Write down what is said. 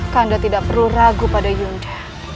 kanda tidak perlu ragu pada hyunda